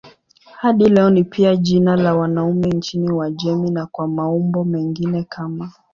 Hadi leo ni pia jina la wanaume nchini Uajemi na kwa maumbo mengine kama